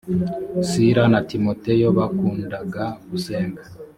sila na timoteyo bakundaga gusenga.